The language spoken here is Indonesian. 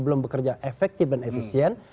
belum bekerja efektif dan efisien